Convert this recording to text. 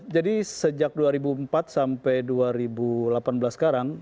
jadi sejak dua ribu empat sampai dua ribu delapan belas sekarang